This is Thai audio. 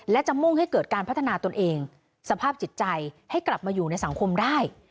และจะมุ่งให้เกิดการพัฒนาตนเองสภาพจิตใจให้กลับมาอยู่ในสังคมได้